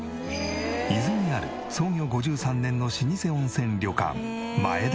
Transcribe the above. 伊豆にある創業５３年の老舗温泉旅館。